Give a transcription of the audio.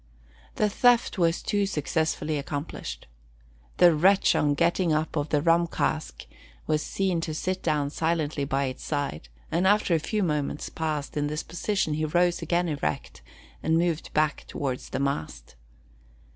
The theft was too successfully accomplished. The wretch on getting up to the rum cask, was seen to sit down silently by its side; and, after a few moments passed in this position he again rose erect, and moved back towards the mast.